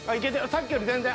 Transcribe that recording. さっきより全然。